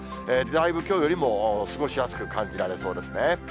だいぶきょうよりも過ごしやすく感じられそうですね。